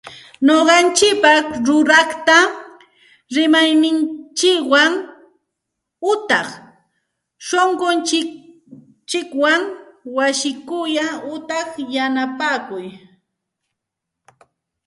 Ñuqanchikpaq ruraqta rimayninchikwan utaq sunqunchikwan chaskikuy utaq yanapakuy